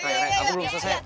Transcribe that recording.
ray aku belum selesai